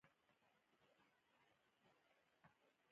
هغه له مورګان سره يې موافقه وکړه.